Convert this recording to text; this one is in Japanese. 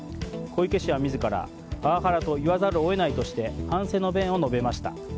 小池氏は自らパワハラと言わざるを得ないとして反省の弁を述べました。